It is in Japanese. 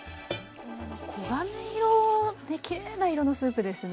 黄金色できれいな色のスープですね。